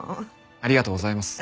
ありがとうございます。